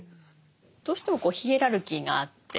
どうしてもこうヒエラルキーがあって。